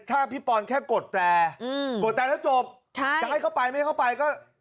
ถ้าพี่ปอนด์แค่กดแจกดแจแล้วจบจะให้เข้าไปไม่เข้าไป